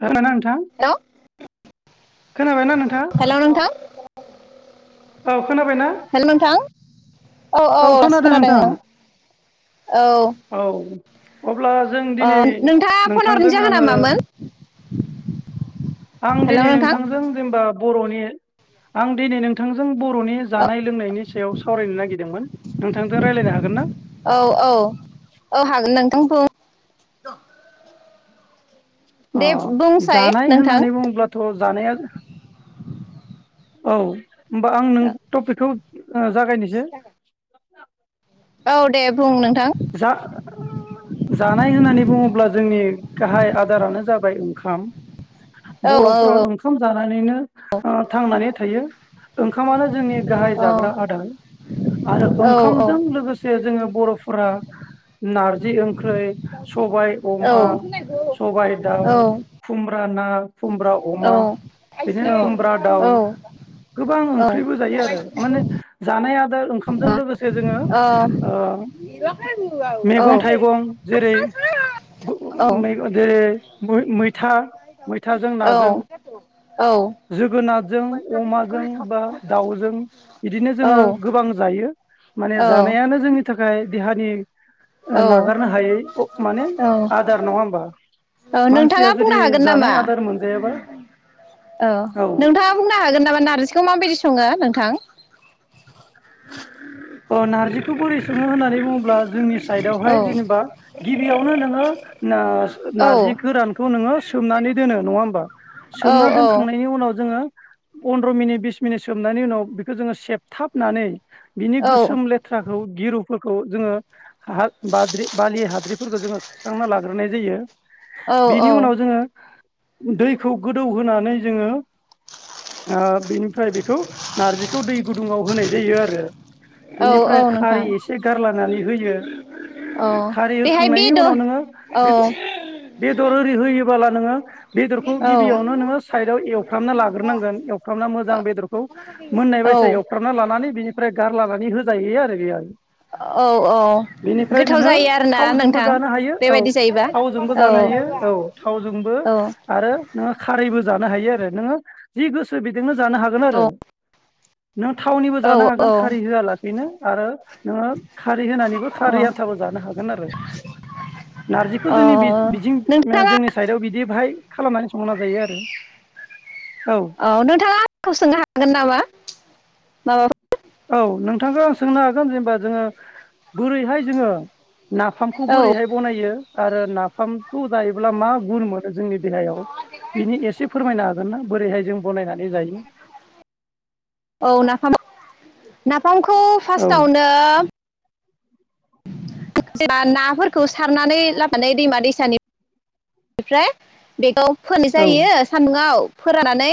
[unintelligible] नोंथां हेल' खोनाबायना नोंथां? हेल' नोंथां औ खोनाबाय ना? हेल' नोंथां औ औ दासो खोनादों नोंथां औ औ अब्ला जों ओ दिनै नोंथाङा फन हरनि नोंथांजों जाहोना आङो मामोन आं हेल' दिनै नोंथां नोंथांजों जेनेबा बर'नि आं दिनै नोंथांजों बर'नि जानाय लोंनायनि सायाव सावरायनो नागिर औ औ औ हागोन नोंथां बुं [unintelligible] अ दे बुंसाय जानाय नोंथां होननानै बुङोब्लाथ' जानाया औ होमबा आं नों टपिकखौ ओ जागायनोसै? औ दे बुं नों जा-जानाय होननानै बुङोब्ला जोंनि गाहाइ आदारानो जाबाय ओंखाम। औ औ बर'फ्रा औ ओंखाम जा नानैनो ओ थांनानै थायो ओंखामानो जोंनि गाहाय औ जाग्रा आदार आरो औ ओंखामजों लोगोसे जोङो बर' फ्रा नारजि ओं ख्रै ‌‌‍‌‍सबाय औ अमा औ सबाय दाउ खुमब्रा ना खुमब्रा अमा बिदिनो खुमब्रा दाउ औ गोबां ओंख्रिबो जायो आरो माने जानाया दा ओंखामजों लोगोसे जोङो ओ मेगं थाइगं जेरै [unintelligible] मैथा मैथाजों नाजों, जोगोनारजों अमाजों बा दाउजों इदिनो जोङो गोबां जायो। यो। माने जानायानो जोंनि था खाय देहानि ओ औ नागारनो हायै अ माने औ आदार नङा होमबा औ मानसिया नोंथाङा जुदि बुंनो हागोन जानाय नामा आदार मोनजायाबा औ नोंथाङा बुंनो हागोन नामा नारजिखौ माबायदि सङो नों थां अ नारजिखौ बोरै सङो होननानै बुङोब्ला जोंनि स औ साइदावहाय जेनेबा गिबियावनो नोङो नास औ नारजि गोरानखौ नों नोङो सोमनानै दोनो नङा होमबा। औ सोमना औ दोनखांनायनि उनाव जोङो फन्द्र मिनिट बिस मिनिट सोमनायनि उनाव बेखौ जोङो सेबथाबनानै बिनि औ गोस लेथ्राखौ गिरुफोरखौ जोङो हाद बाद्रि बालि हाद्रिब फोरखौ जोङो सुस्रांना लाग्रोनाय जायो। बिनि औ उनाव जोङो दैखौ गोदौ होनानै जोङो ओ बेनिफ्राय बेखौ नारजिखौ दै गुदुङाव होनाय जायो आरो। औ औ बेनिफ्राय नोंथां खारै एसे गारलायनानै होयो औ खारै बेहाय होखांनायनि बेदर उनाव नोङो औ बे बेदर ओरि होयोबोला नोङो बेदरखौ औ गिबियावनो नोङो साइदआव एवफ्रामना लाग्रोनांगोन एवफ्रामना मोजां बेदरखौ मोननाय औ बायसा एवफ्रामना लानानै बिनि ओमफ्राय गारलानानै हो जायो आरो बे आरो औ औ गोथाव नोङो जायो आरोना थावजोंबो नोंथां जानो हायो औ बेबायदि जायोबा थावजोंबो औ जानो हायो औ थावजोंबो औ आरो नोङो खारैबो जानो हायो आरो नोङो जि गोसो बि बेजोंनो जानो हागोन औ आरो नों थावनिबो औ जानो हागोन खारै औ होआलासि बेनो आरो नोङो खारै होनानैबो खारै आन्थाबो जानो हागोन आरो नारजिखौ औ जोंनि बिजों नोंथाङा जोंनि साइडआव बिदि बाहाय खालामनानै संना जायो आरो औ नोंथाङा आंखौ सोंनो हागोन नामा? औ औ नोंथांखौ आं सोंनो हागोन जेनेबा जोङो बोरैहाय जोङो नाफामखौ बोरैहाय औ बनायो आरो नाफामखौ जायोब्ला मा गुन मोनो जोंनि देहायाव बिनि एसे फोरमायनो हागोन ना बोरैहाय जों बनायनानै जायो? औ नाफामा ना खौ औ फार्स्टावनो जब नाफोरखौ सारनानै लाबोनानै दैमा दैसानि बेनिफ्राय बेखौ फोरानाय औ जायो सान्दुंङआव फोराननानै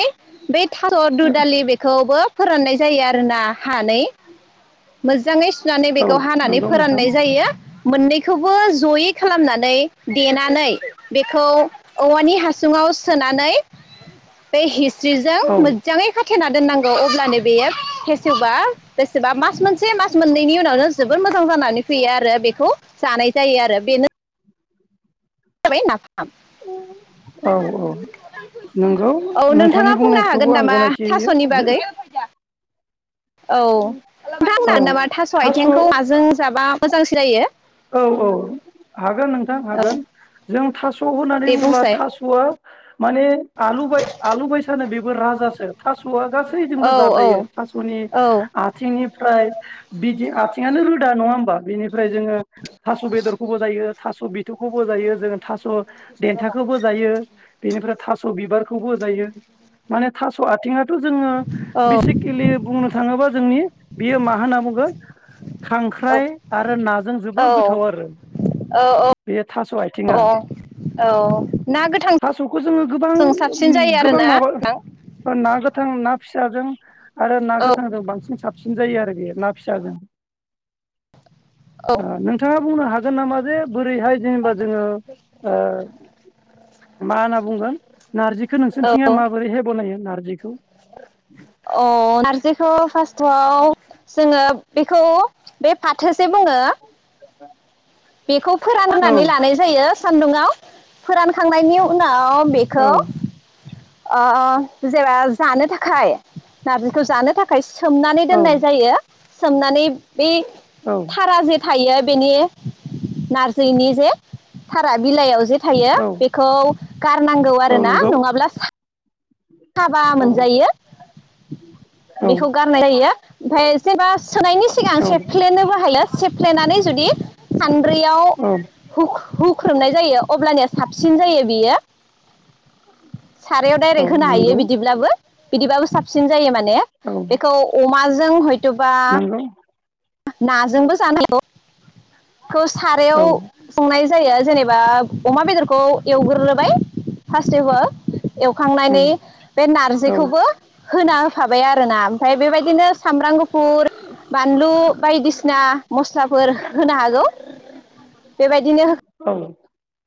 बे थालर दुदालि बेखौबो फोराननाय जायो आरो ना हानै मोजाङै सुनानै औ बेखौ हानानै नंगौ नोंथां फोराननाय जायो मोननैखौबो जयै खालामनानै देनानै बेखौ औवानि हासुङाव सोनानै बे हि स्रिजों औ मोजाङै खाथेना दोननांगौ अब्लानो बेयो फेसेवबा बेसेबा मास मोनसे मास मोननैनि उनावनो जोबोद मोजां जानानै फैयो आरो बेखौ जानाय जायो आरो बेनो [inaudible] औ औ नंगौ औ नोंथाङा नोंथांनि बुंनो बुंनायखौबो हागोन आं नामा गनायथि होयो थास'नि बागै औ थाङा औ बुंनो नामा थास' आथिंखौ माजों जाबा मोजां सिनायो औ औ हागोन नोंथां औ हागोन जों थास' थ' होननानै दे बुब्ला बुंसाय थास'आ माने आलु बाय आलु बायसानो बेबो राजासो थास'आ गासैजोंबो औ औ जाजायो थास'नि औ आथिंनिफ्राय बिदि आथिङानो रोदा नङा होन बिनिफ्राय जोङो थास' बेदरखौबो जायो‌। दो थास' बिथौखौबो जायो जोङो थास' देन्थाखौबो जायो बेनिफ्राय थास थास' बिबारखौ जायो माने थास' आथिंआ जोङो औ बेसिकेलि बुंनो थाङोबा जोंनि बेयो मा होनना बुगोन खांख्राइ आरो नाजों जा औ जोबोर गोथाव आरो बे थास' आथथिङा औ औ ना गोथांजों थास'खौ जोङो गोबां साबसिन जायो गोबां आरोना नोंथां माबा ना गोथां ना फिसाजों आरो ना औ गोथांजों बांसिन साबसिन जायो आरो बे ना फिसाजों औ ओ नोंथाङा बुंनो हागोन नामा जे बोरैहाय जेनेबा जोङो ओ मा होनना बुंगोन नारजिखौ नोंसोरनिथिंया माबोरैहाय बनायो। नारजिखौ अह नारजिखौ फार्स्टआव जोङो बेखौ बे फाथोसे बुङो [unintelligible] बेखौ औ फोरानग्रोनानै लानाय जायो। सान्दुङाव फोरानखांनायनि उना आ बेखो औ ओ जेबा जानो थाखाय नारजिखौ जानो थाखायस सोमनानै औ दोननाय जायो। सोमनानै बे औ थारा जे थायो बेनि नारजिनि जे थारा बिलाइयाव जे थायो औ बेखौ गारनांगौ औ आरोना नंगौ नङाब्ला सा हाबा औ मोनजायो औ बेखौ गारनाय जायो। ओमफाय सैबास सोनायनि सिगां औ सेफ्लेनो हायो। सेफ्लेनानै जुदि सान औ [unintelligible] हुख हुख्रोमनाय जायो अब्लानिया साबसिन जायो बियो सारायाव दा औ होनो हायो नंगौ बिदिब्लाबो। बिदिबाबो साबसिन जायो माने औ बेखौ अमाजों हयथबा नंगौ नाजोंबो जानो हागौ। खौ सारायाव औ संनाय जायो जेनेबा अमा बेदरखौ एवग्रो बाय फार्स्टेबार एवखांनानै उम बे औ नारजिखौबो होना होखाबाय आर ना ओमफाय बेबायदिनो सामब्राम गुफ फुर बानलु बायदिसिना मस्लाफोर होनो हागौ। बेबायदिनो औ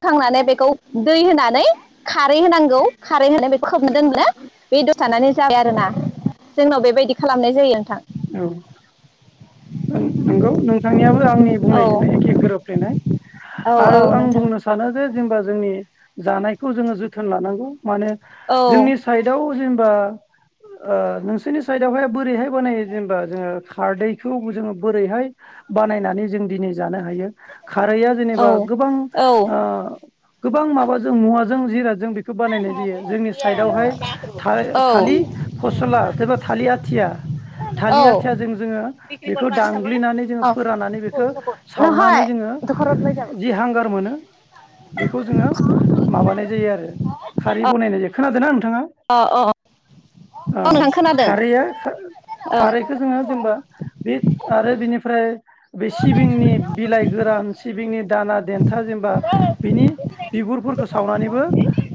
होखांनानै बेखौ दै होनानै खारै होनांगौ खारै होनानै बेखौ खोबनो दोनो बे दसे थानानै जाबाय आरोना जोंनाव बेबायदि खालामनाय जायो नोंथां ओं नंगौ नोंथांनियाबो आंनि औ बुंनायजोंनो एखे गोरोबफ्लेनाय औ आरो आं नोंथां बुंनो सा सानो जे जेनेबा जोंनि जानायखौ जोंङो जोथोन लानांगौ माने औ जोंनि साइडआव जेनेबा ओ नोंसोरनि साइदावहाय बोरैहाय बानायो जेनेबा जोङो खारदै खौ जोङो बोरैहाय बानायनानै जों दिनै जानो हायो खारैआ औ जेनेबा गोबां औ ओ गोबां माबाजों मुवाजों जिर जों बेखौ बानायनाय जायो जोंनि साइदआवहाय थाय थालिर औ फसला एबा थालिर आथिया थालिर औ आथियाजों जोङो बेखौ दांगग्लिनानै जोङो औ फोराननानै बेखो सावनानै नहय जोङो दख'राव लाय जाबा जि हांगार मोनो बेखौ जोङो माबानाय जायो आरो खारि अ बनायनाय जायो खोना दोना थाङा अ औ औ नोंथां खोनादों खारैआ खा औ खारैखो जोङो जेनबा [inaudible] आरो बिनिफ्राय बे सिबिंनि बिलाइ गोरान सिबिंनि ना देन्था जेनबा बिनि बिगुरफोरखो सावनानैबो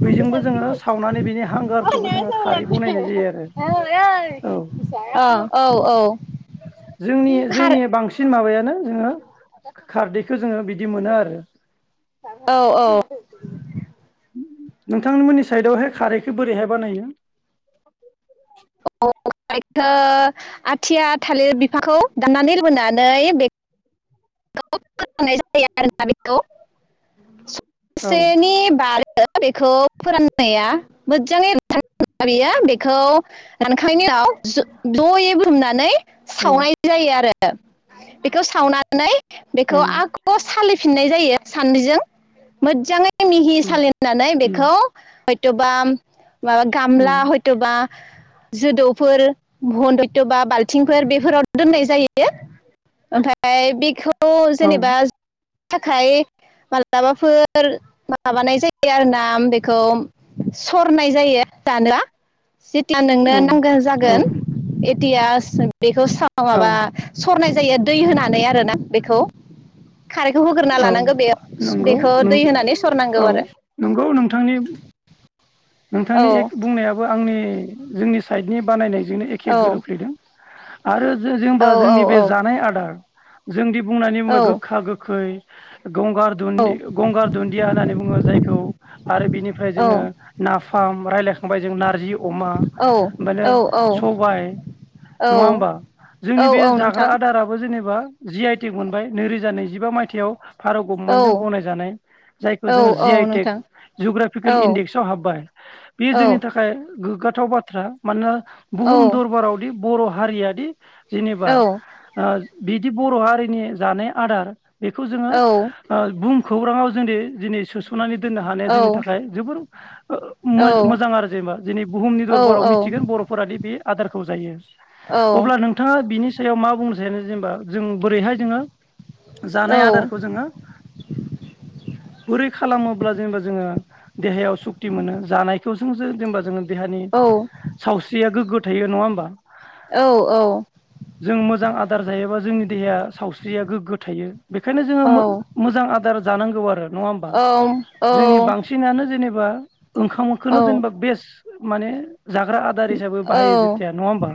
बैजोंबो जोङो सावनानै बिनि हांगारखोबो जोङो खारै बनायनाय जायो आरो औ औ औ औ [unintelligible] जोंनि खार जोंनि बांसिन माबायानो नोंङो खारदैखो जोङो बिदि मोनो आरो। औ औ नोंथांमोननि सायदावहाय खारैखौ बोरैहाय बानायो। औ। खो आथिया थालिर बिफाखौ दाननानै लाबोनानै बे [unintelligible] बेखौ औ सेनि बारो बेखौ फोराननाया मोजाङै बियो बेखौ रान आखायनि उनाव जयै बुथुमनानै औ सावनाय जायो आरो बेखौ सावनानै नानै बेखौ उम आख' सालि फिननाय जायो सानैजों मोजाङै मिहि उम सालिनानै बेखौ हयथबा माबा उम गामला हयथबा जोदौफोर मन्दइथ बा बाल्थिंफोर बेफोराव दोननाय जायो। ओमफ्राय बेखौ उम औ जेनेबा थाखाय मालाबाफोर माबानाय जायो आरोना बेखौ सरनाय जायो जानोबा। जेब्ला नोंनो औ नांगौ औ जागोन [unintelligible] बेखौ औ माबा सरनाय जायो दै होना नानै आरोना बेखौ खारैखौ होग्रोना औ लानांगौ बेयाव नंगौ बेखो नों दै होनानै सरनांगौ औ आरो। नंगौ नोंथांनि नोंथांनि औ एक बुंनायाबो आंनि जोंनि साइड नि बानायनाय बिजोंनो एखे गोरोबफ्लेदों आरो जेनेबा जोंनि बे जानाय आदार जोंदि बुंनानै बुंबाय गोखा गोखै गंगार दुनदि गंगार दुन्दिया होननानै बुङो जायखौ आरो बिनिफ्राय जोङो औ-औ-औ-औ-औ-औ-औ-औ-औ-औ नाफाम रायलायखांबाय जों नारजि अमा ओमबाने सबाय नङा होमबा जोंनि बे जाग्रा नोंथां आदाराबो जेनेबा जि आइटि मोनबाय नैरोजा नैजिबा मायथाइयाव। भारत गभनमेन्टजों गनायजानाय जायखौ जोङो औ-औ-औ जि आइ टेक नोंथां जिअग्राफिकेल इन्डेक्स हाबबाय बेयो जोंनि थाखाय गोग्गाथाव बाथ्रा मानोना बुहुम दरबारावदि बर हारियादि जेनेबा ओ बिदि बर हारिनि जानाय आदार बेखौ जोङो औ-औ-औ-औ-औ-औ-औ-औ-औ-औ-औ-औ-औ-औ-औ ओ बुं खौराङाव जोंनि दिनै सोसनानै दोननो हानाया जोंनि थाखाय जोबोर ओ ओ मोमोजां आरो जेनेबा बे आदारखौ जायो। अब्ला नोंथाङा बिनि सायाव मा बुंनो सा [unintelligible] जेनेबा जों बोरैहाय जोङो जानाय आदारखौ जोङो बोरै खालामोब्ला जेनेबा जोङो देहायाव सुक्ति मोनो जानायखौ जों जो जेनेबा जोङो देहानि सावस्रिया गोग्गो थायो नङा होमबा। जों मोजां आदार जायोबा जोंनि देहाया सावस्रिया गोग्गो थायो। बेखायनो जोङो मो मोजां आदार जानांगौ आरो नङा होमबा जोंनि बांसिनानो जेनेबा बा ओंखामखोनो जेनेबा बेस्ट माने जाग्रा आदार हिसाबै बाहायो जेथिया नङा होमबा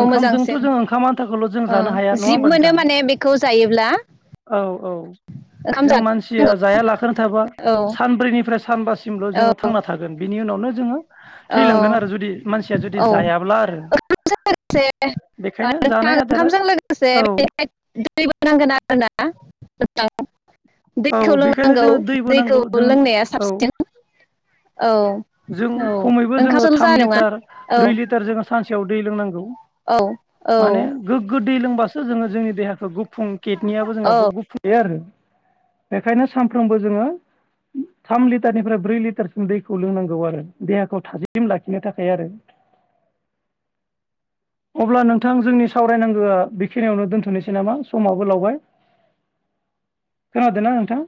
ओंखामजोंथ मोजांसिन जों ओंखाम आन्थाखौल जों ओ जानो हाया नङा जिब होमबा मोनो नोंथां माने बेखौ जायोब्ला औ औ ओंखाम जों जानांगौ मानसिया जाया लाखोनो थाबा सानब्रैनिफ्राय सानबासिमल थांना थागोन बि बिनि उनावनो जोङो औ थैलांगोन आरो जुदि मानसिया जुदि औ जायाब्ला आरो ओंखामजों लोगोसे ओ बेखायनो नोंथाङा जानाय आदारा ओंखामजों लोगोसे औ बेहाय दैबो नांगोन आरो ना? औ दैखौ बेखायनो लोंनांगौ जोङो दैबो दैखौ नांगौ जों लोंनाया औ साबसिन औ औ। बो जोङो ओंखामजोंल' थाम जानाय नङा लिटार औ ब्रै लिटार जोङो सानसेयाव दै लोंनांगौ औ । औ माने गोग्गो दै लोंबासो जोंङो जोंनि देहाखौ गु फुं केेटनियाबो औ जोंहाबो [unintelligible] आरो । बेखायनो सानफ्रोमबो जोङो थाम लिटारनिफ्राय ब्रै लिटारसिम दैखौ लोंनांगौ आरो देहाखौ थाजिम लाखिनो थाखाय आरो । अब्ला नोंथां जोंनि सावरायनांगोआ बेखिनियावनो दोन्थ'नोसै नामा? समाबो लावबाय। खोनादोना नोंथां?